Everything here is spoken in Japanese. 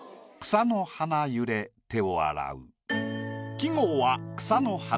季語は「草の花」。